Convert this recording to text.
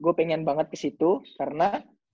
gue pengen banget kesitu karena